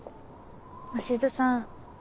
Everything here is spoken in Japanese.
鷲津さん